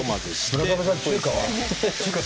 村雨さん、中華は？